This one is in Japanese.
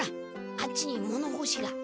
あっちに物ほしが。